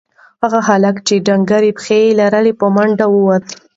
هغه هلک چې ډنگرې پښې لري په منډه ووت.